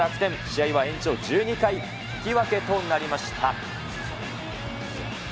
試合は延長１２回、引き分けとなりました。